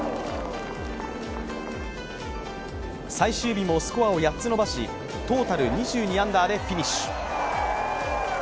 最終日もスコアを８つ伸ばしトータル２２アンダーでフィニッシュ。